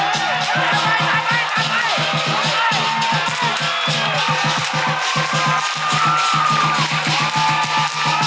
ถ้าผมถ่ายผิดนะ